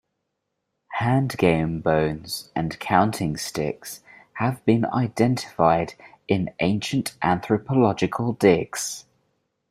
Handgame bones and counting sticks have been identified in ancient anthropological digs.